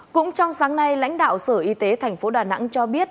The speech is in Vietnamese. cũng trong sáng nay lãnh đạo sở y tế thành phố đà nẵng cho biết